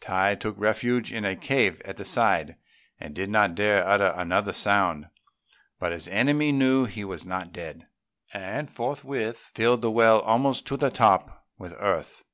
Tai took refuge in a cave at the side, and did not dare utter another sound; but his enemy knew he was not dead, and forthwith filled the well almost up to the top with earth.